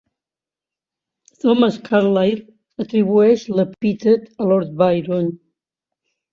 Thomas Carlyle atribueix l'epítet a Lord Byron.